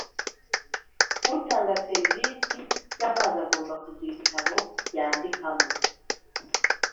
Utanga serivisi z amazi agomba kugira igitabo yandikamo